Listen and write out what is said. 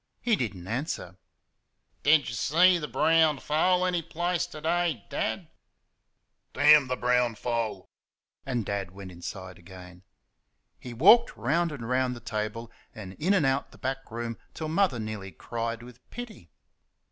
He did n't answer. "Did y' see the brown foal any place ter day, Dad?" "Damn the brown foal!" and Dad went inside again. He walked round and round the table and in and out the back room till Mother nearly cried with pity.